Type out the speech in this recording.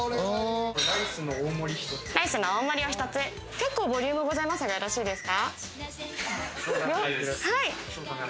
結構ボリュームございますが、よろしいですか？